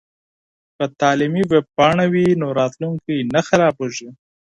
که تعلیمي ویبپاڼه وي نو راتلونکی نه خرابیږي.